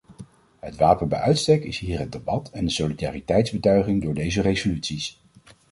Het wapen bij uitstek is hier het debat en de solidariteitsbetuiging door deze resoluties.